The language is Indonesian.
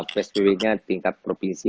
psbb nya tingkat provinsi